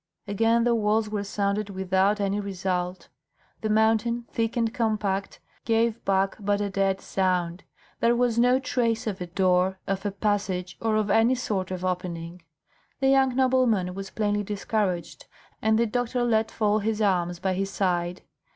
Again the walls were sounded without any result. The mountain, thick and compact, gave back but a dead sound; there was no trace of a door, of a passage, or of any sort of opening. The young nobleman was plainly discouraged, and the doctor let fall his arms by his side.